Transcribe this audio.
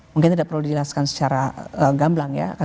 mungkin tidak perlu dijelaskan secara gamblang ya